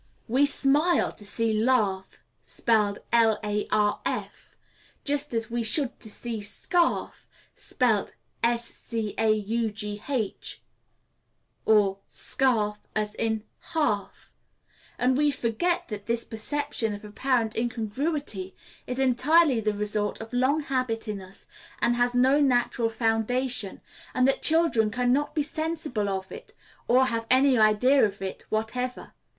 We smile to see laugh spelled larf, just as we should to see scarf spelled scaugh, or scalf, as in half; and we forget that this perception of apparent incongruity is entirely the result of long habit in us, and has no natural foundation, and that children can not be sensible of it, or have any idea of it whatever.